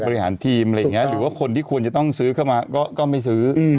ทีมอะไรอย่างนี้หรือว่าคนที่ควรจะต้องซื้อเข้ามาก็ไม่ซื้อ